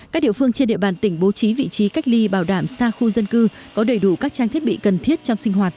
các địa phương trên địa bàn tỉnh bố trí vị trí cách ly bảo đảm xa khu dân cư có đầy đủ các trang thiết bị cần thiết trong sinh hoạt